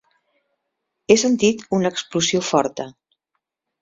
He sentit una explosió forta.